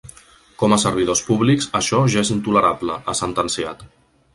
Com a servidors públics això ja és intolerable, ha sentenciat.